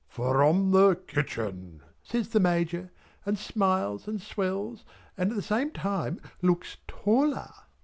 "From the kitchen" says the Major, and smiles and swells, and at the same time looks taller.